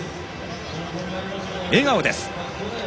笑顔です。